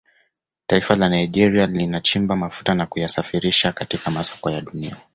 Taifa la Nigeria linachimba mafuta na kuyasafirisha katika masoko ya Dunia